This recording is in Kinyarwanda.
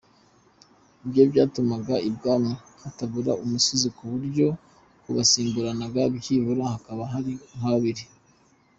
Ibyo byatumaga i Bwami hatabura umusizi ku buryo bahasimburanaga byibura hakaba hari nka babiri.